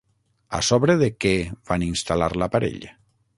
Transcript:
A sobre de què van instal·lar l'aparell?